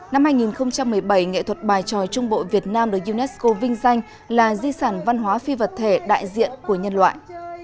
năm hai nghìn một mươi bảy nghệ thuật bài tròi trung bộ việt nam được unesco vinh danh là di sản văn hóa phi vật thể đại diện của nhân loại